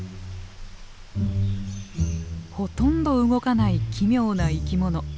ほとんど動かない奇妙な生き物。